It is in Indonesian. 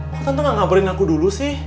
kok tante gak ngabarin aku dulu sih